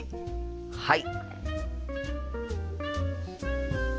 はい。